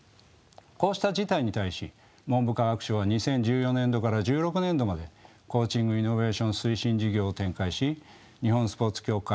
こうした事態に対し文部科学省は２０１４年度から１６年度まで「コーチング・イノベーション推進事業」を展開し日本スポーツ協会